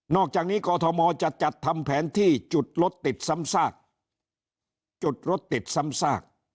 นอกจากนี้กมจะจัดทำแผนที่จุดลดติดซ้ำซาก